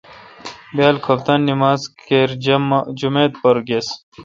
بیال کُھپتان نما ز کر جما ت پر گُس۔